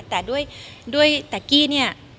แต่กี้เนี่ย